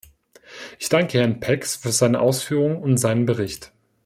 Ich danke Herrn Pex für seine Ausführungen und seinen Bericht.